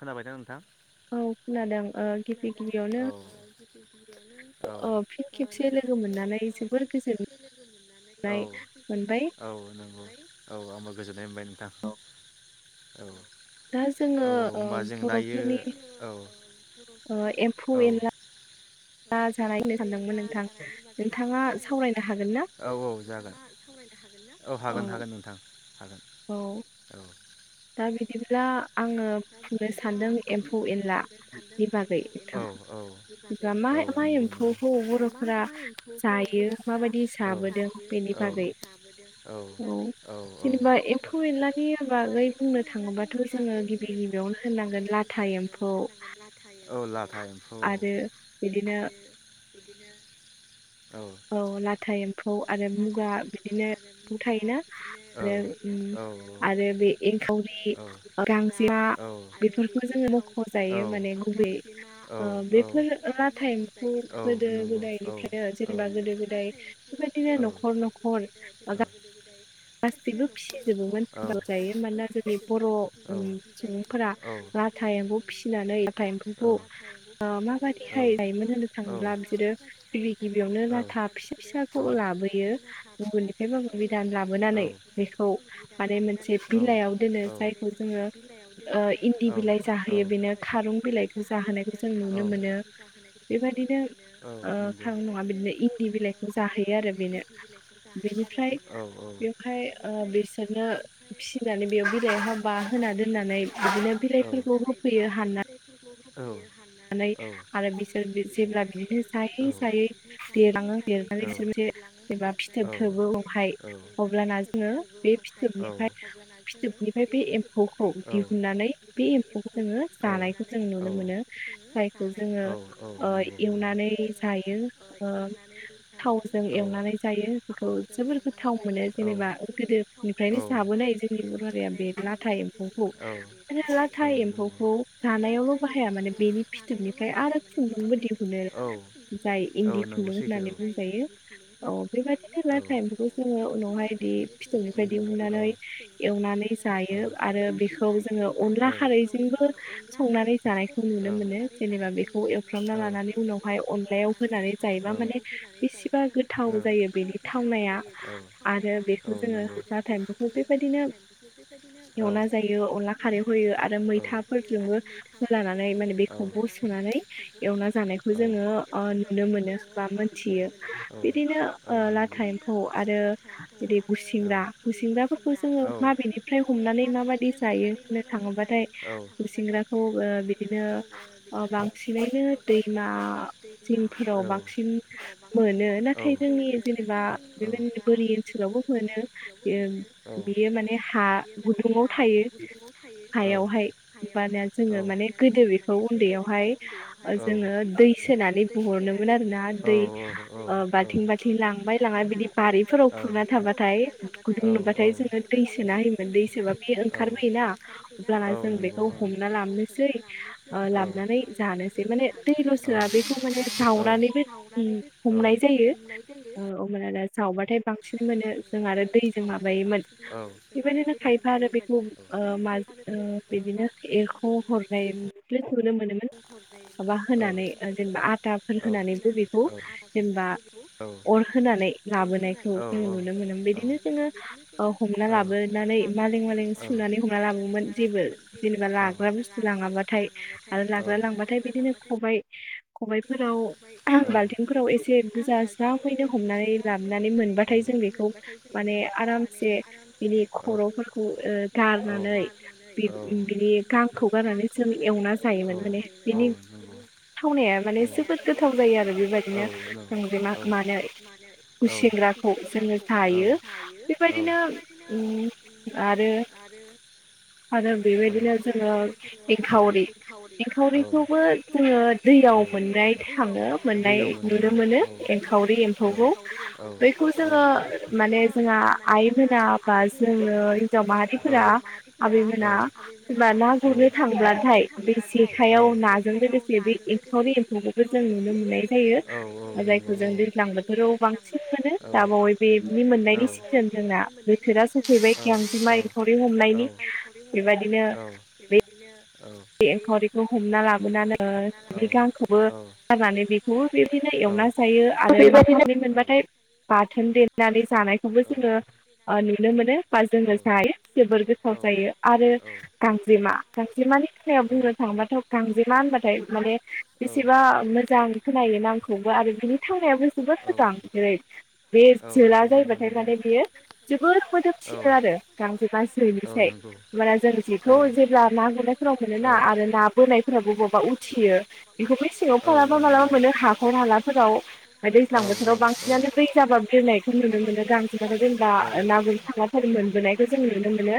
खोनाबायदा नोंथां? औ औ औ औ नंगौ औ आंबो गोजोननाय मोनबाय नोंथां। औ। औ होमबा जों दायो औ औ। औ औ जागोन। औ हागोन हागोन नोंथां। औ। दा बिदिब्ला औ औ औ नंगौ नंगौ औ औ औ औ औ। बुंनो थाङोबाथ' जोङो बुंनो थाङोब्लाथ' जोङो गिबि गिबियावनो बुंनांगोन लाथा एम्फौ औ ला था एम्फौ [unintelligible] औ लाथा एम्फौ आरो मुगा बिदिनो एम्फौ थायोना आरो आरो बे एंखावरि गां औ औ औ औ औ औ नंगौ औ। औ औ। गससैबो फिसिजोबोमोन आवजायो मानोना जोंनि बर' ओं सुबुंफोरा लाथा एम्फौ फिसिनानै लाथा एम्फौखौ ओ माबाददिहाय जायोमोन होननो थाङोब्ला बिसोरो गिबि गिबियावनो लाथा फिसा फिसाखौ लाबोयो गुबुननिफ्राय बाबो बिधान लाबो लाबोनानै बेखौ माने मोनसे बिलाइयाव दोनो जायखौ जोङो औ औ औ औ औ बेवहाय ओ बिसोरनो फिसिनानै बेयाव बिलाइ हाबा होना दोननानै बिदिनो बिलाइफोरखौ होफैयो हानना आनै आरो बिसोर जेब्ला बिदिनो जायै जायै देरलाङो देरनानै बिसोर मोनसे एबा फिथोब थोबो बहाय अब्लाना जोङो बे फिथोबनिफ्राय फिथोबनिफ्राय बे एम फौखौ दिहुननानै बे एम्फौखौ जोङो जानायखौ जों नुनो मोनो जायखौ जोङो ओ एवनानै जायो ओ थावजों एवनानै जायो बेखौ जोबोर गोथाव मोनो जेनेबा गोदोनिफ्रायनो जाबोनाय जोंनि बर' हारिया बे ला था एम्फौखौ आरो लाथा एम्फौखौ जानायावबो बाहाया माने औ औ नंगौ सैथो औ औ बेयो आरो बेखौ जोङो अनला खारैजोंबो संनानै जानायखो औ औ औ औ औ औ नंगौ एवना जायो अनला खारैआव होयो आरो मैथाफोरजोंबो लानानै माने बेखौ बसनानै एवना जानायखौ जोङो ओ धुनो मोनो बा मोतियों बिदिनो ओ लाता एम्फौ आरो इदि गुसिंग्रा गुसिंग्राफोरखौ जोङो माबेनि फ्राय हमनानै माबादि जायो होनो थाङोबाथाय गुसिंग्राखौ ओ बिदिनो ओ बांसिनैनो दैमा जिंफोराव बांसिन मोनो नाथाय जोंनि जेनेबा बेबादिनिनो बोरि ओनसोलावबो मोनो बे बियो माने औ औ गोदो बिखौ उन्दैयावहाय जो दै सोनानै बहरनो मोन आरोना दै ओ बालथि-बालथि लांबाय लांना बिदि बारिफोराव खुरना थाबाथाय गुदुं नुबाथाय जों दै सो दैसोबा बियो ओंखारबोयोना अब्लाना जों बेखौ हमना लाबनोसै ओ लाबोननानै जानोसै माने दैलसोआ बेखौ माने जावनानैबो अम हमनाय जायो ओ अब्लाना जावबाथाय बांसिन मोनो जों आरो दैजों माबायोमोन बेबायदिनो खायफा आरो बेखौ ओ माजो ओ बिदिनो एरख' हर ओमफ्राय दैखौनो मोनोमोन माबा होनानै ओ जेनेबा आथाफोर होनानैबो बेखौ जेनेबा अर होनानै लाबोनायखौ जों नुनो मोनोन बिदिनो जोंङो ओ हमना लाबोनानै मालें-मालें सुनानै हमना लाबोयोमोन जेबो जेनेबा लाग्रा बुस थांङाबाथाय आरो लाग्रा लांबाथाय बिदिनो खबाइ-खबाइफोराव बाल्थिंफोराव एसे बुरजा ‌जरामैनो हमनानै लाबोनानै मोनबाथाय जों बेखौ माने आरामसे बिनि खर'फोरखौ गारनानै बिनि गां खौ गारनानै जों एवना जायोमोन माने बिनि थावनाया माने जोबोद गोथाव जायो आरो बेबायदिनो गांजेमा मनै गुसिंग्राखौ जोंङो जायो बेबायदिनो ओ आरो आरो बेबायदिनो जोंङो एंखावरि औ औ दैयाव मोनो औ औ औ औ औ औ आबैमोना सोरबा ना गुरनो थांब्लाथाय बे जेखायाव नाजों लोगोसे बे एनखावरि एम्फौखौबो जों नुनो मोननाय जायो जायखौ जों दैज्लां बोथोराव बांसिन मोनो दाबावै बेनि मोननायनि सिजोन जोंना बोथोरा सफैबाय गांजिमा एंखावरि हमनायनि औ बे एंखावरिखौ हमना लाबोनानै ओ गांखौबो गारनानै बेखौबो बेदिनो एवना जायो आरो माफा माब्रै मोनबाथाय बाथोन दे [unintelligible] जानायखौबो जोंङो ओ नुनो मोनो बा जोंङो जायो जोबोर गोथाव जायो आरो गांजेमा गांजेमानि बुंनो थांङोबाथ गांजेमा होनबाथाय माने बेसेबा मोजां खोनायो नामखौबो आरो बिनि थावनायाबो जोबोद मोजां जेरै बे जोला जायोबाथाय माने बेयो जोबोद मोदोम सिनो आरो गांजेमा जोनिसाय ओमबाना जों जेखौ जेब्ला ना गुरनाय फ्राव मोन ना आरो ना बोनायफोराबो बबेबा उथियो बेखौबो सिङाव मालाबा मालाबा मोनो हाखर हालाफोराव दै दैज्लां बोथोराव बांसिनानो दैै जाबा बिरनायखौ नुनो मोनो गांजेमाखौ जेनेबा ना गुरनो थांबाथाय मोनबोनायखौ जों नुनो मोनो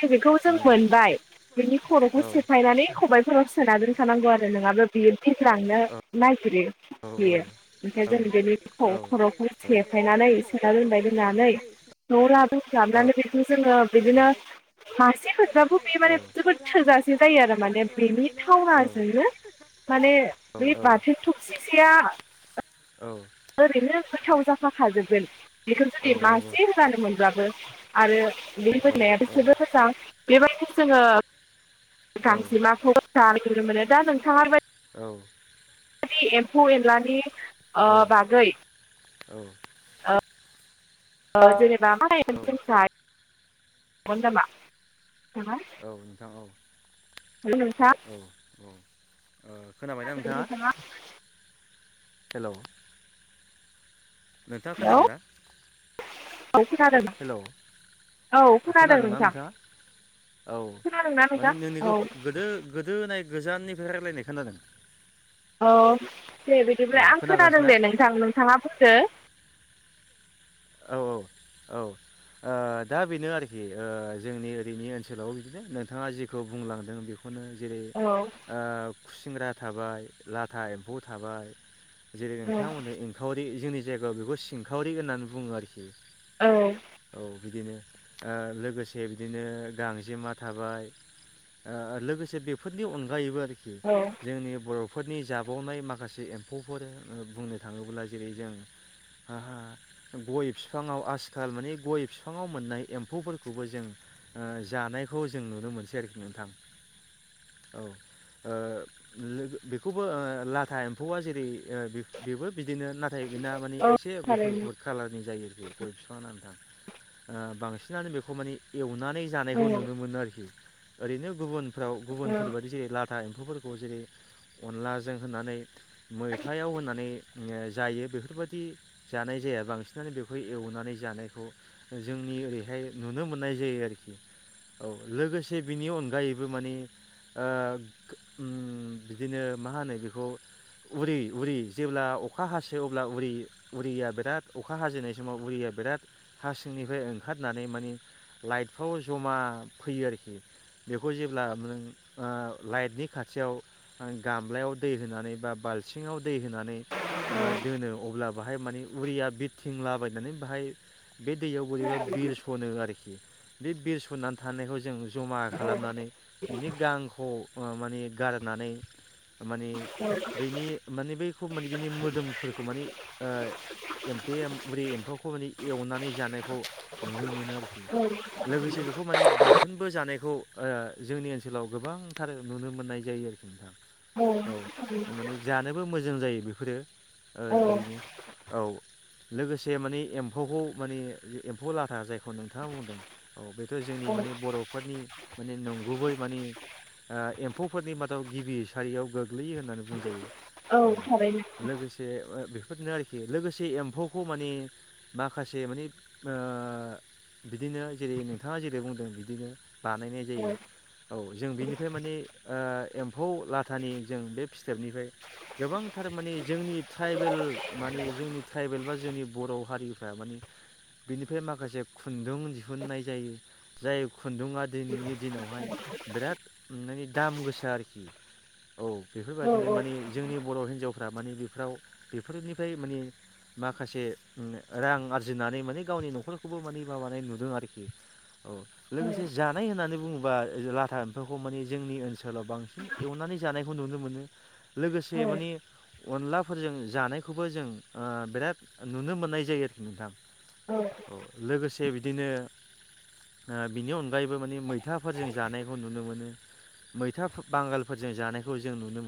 जों बेखौ जों मोनबाय बेनि खर'खौ सेफायनानै खबायफोराव सोना दोनखानांगौ आरो नोंङाब्ला बि [unintelligible] जुदि बेयो ओमफ्राय जों बिनि खर'खौ सेफायनानै सेना दोनबाय दोननानै न' ला दस्लाबनानै बेखौ जोङो बिदिनो मासेमोनबाबो बे माने जोबोद थोजासे जायो आरो माने बेनि थावनाजोंनो माने बे बाथोन थबसिसेया। ओरैनो गोथाव जा फाखाजोबगोन। बेखौ जुदि मासि होनानो मोनब्लाबो आरो [unintelligible] जोङो गांजेमाखौ [unintelligible] नुनो मोनो दा नोंथां बो औ। एम्फौ एनलानि अ' बागै औ। ओ जेनेबा [unintelligible] गन्दामा। औ नोंथां औ। औ औ। [unintelligible] हेलौ। नोंथाङा खोनादों ना? हेलौ खोनादोंना नोंथाङा? औ माने नोंनिखौ गोदो गोदो नाय गोजाननिफ्राय रायलायनाय खोनादों। औ दे बिदिब्ला आं खोनादों दे नोंथां नोंथाङा बुंदो। औ औ औ ओ दा बेनो आरोखि ओ जोंनि ओरैनि ओनसोलाव बिदिनो नोंथाङा जिखौ बुंलांदों बेखौ [unintelligible] जेरै ओ खुसिंग्रा थाबाय, लाथा एम्फौ थाबाय। जेरै नोंथांमोन ओंखारि जोंनि जायबा बेखौ सिंखावरि होननानै बुङो आरोखि औ बिदिनो ओ लोगोसे बिदिनो गांजेमा थाबाय ओ लोगोसे बेफोरनि अनगायैबो जोंनि बर' फोरनि जाबावनाय माखासे एम्फौफोर बुंनो थाङोब्ला जेरै जों हा हा गय बिफाङाव आसखाल माने गय बिफाङाव मोननाय एम्फौफोरखौबो जों जानायखौ जों नुनो मोनसै आरोखि नोंथां। औ लोगो बेखौबो लाथा एम्फौआ जेरै बेबो बिदिनो नाथाय बेना माने एसे गुफुर गुफुर कालारनि जायो आरोखि गय बिफां ओ बांसिनानो बेखौ माने एउना नै जानायखौ नुनो मोनो आरोखि ओरैनो गुबुन गुबुनफोर बायदि जेरै लाब दा एम्फौफोरखौ जेरै अनलाजों होनानै मैथायाव होनानै ओ जायो बेफोरबायदि जानाय जाया। बांसिनानो बेखौ एवनानै जानायखौ जोंनि ओरैहाय नुनो मोननाय जायो आरोखि औ लोगोसे बिनि अनगायैबो माने ओ उम बिदिनो मा होनो बेखौ उरि उरि जेब्ला अखा हासै अब्ला उरि उरिया बेराद अखा हाजेननाय समाव उरिया बेराद हा सिंनिफ्राय ओंखारनानै मानि लाइटफ्राव जमा फैयो आरोखि बेखौ जेब्ला नों ओ लाइटनि खाथियाव ओ गामलायाव दै होनानै बा बाल्थिंआव दै होनानै ओ दोनो अब्ला बाहाय मानि उरिया बिरथिंलाबायनानै बाहाय बे दैयाव बोरैबा बिरस'नो आरोखि। बे बिरसन्नानै थानायखौ जों जमा खालामनानै बिनि गांखौ ओ माने गारनानै माने बैनि माने बैखौ माने बिनि मोदोमफोरखौ माने ओ एम्फे उम उरि एम्फौखौ एवनानै जानायखौ नुनो मोनो आरोखि। लोगोसे बेखौ माने जानायखौ ओ जोंनि ओनसोलाव गोबांथार नुनो मोननाय जायो आरोखि नोंथां औ माने जानोबो मोजां जायो बेफोरो ओ ओरैनो औ लोगोसे माने एम्फौखौ माने एम्फौ लाथा जायखौ नोंथाङा बुंदों औ बे थ' जोंनि माने बर'फोरनि माने नंगुबै माने ओ एम्फौफोरनि ओ मादाव गिबि सारियाव गोग्लैयो होननानै बुंजायो। औ थारैनो। बेफोरनो आरोखि लोगोसे एम फौखौ माने माखासे माने ओ बिदिनो जेरै नोंथाङा जेरै बुंदों बिदिनो बानायनाय जायो औ जों बिनिफ्राय माने ओ एम्फौ लाथानि जों बे फिथोबनिफाय गोबांथार माने जोंनि थ्राइबेल माने जोंनि ट्राइबेल बा जोंनि बर' हारिफ्रा माने बिनिफाय माखासे खुन्दुं दिहुननाय जायो जाय खुन्दुङा दिनैनि दिनावहाय बिराद माने दाम गोसा आरोखि औ बेफोरबादिनो माने जोंनि बर' हिनजावफ्रा माने बेफ्राव बेफोरनिफ्राय माने माखासे रां आरजिनानै माने गावनि न'खरखौबो माने माबानाय नुदों आरोखि। औ लोगोसे जानाय होननानै बुङोबा लाथा एम्फौखौ माने जोंनि ओनसोलाव बांसिन एवनानै जानायखौ नुनो मोनो। लोगोसे माने अनलाफोरजों जानायखौबो जों ओ बेराद नुनो मोननाय जायो आरोखि नोंथां। औ लोगोसे दे बिदिनो ओ बिनि अनगायैबो माने मैथाफोरजों जानायखौ नुनो मोनो मैथा फ बांगालफोरजों जानायखौ जों नुनो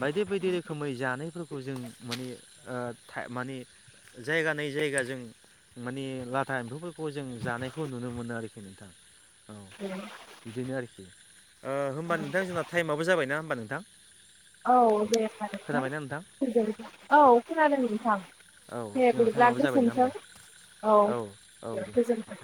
बायदि बायदि रोखोमै जानायफोर खौ जों माने ओ थाय माने जायगा नै जायगा जों माने लाथा एम्फौफोरखौ जों जानायखौ नुनो मोनो आरोखि नोंथां। औ बिदिनो आर ओ होमबा नोंथां जोंना थाइमाबो जाबायना होमबा नोंथां? औ दे होमबा नोंथां औ खोना [unintelligible] गोजोन्थों औ दे गोजोन्थों।